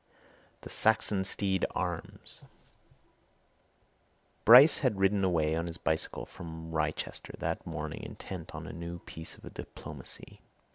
THE SAXONSTEADE ARMS Bryce had ridden away on his bicycle from Wrychester that morning intent on a new piece of diplomacy.